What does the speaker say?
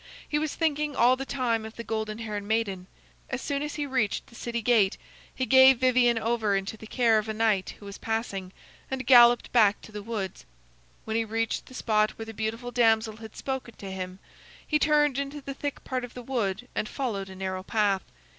He was thinking all the time of the golden haired maiden. As soon as he reached the city gate he gave Vivien over into the care of a knight who was passing, and galloped back to the woods. When he reached the spot where the beautiful damsel had spoken to him, he turned into the thick part of the wood and followed a narrow path.